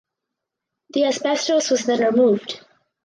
The asbestos was then removed.